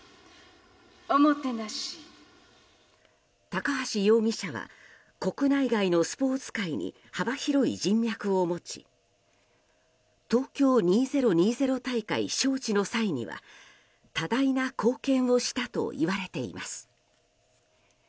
高橋容疑者は国内外のスポーツ界に幅広い人脈を持ち東京２０２０大会招致の際には多大な貢献をしたといわれています。